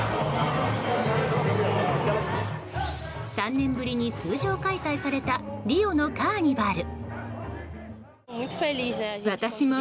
３年ぶりに通常開催されたリオのカーニバル。